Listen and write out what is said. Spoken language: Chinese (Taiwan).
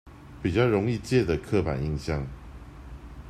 比較容易借的刻板印象